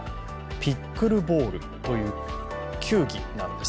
ピックルボールという球技なんです。